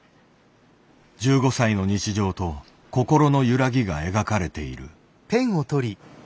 １５歳の日常と心の揺らぎが描かれている。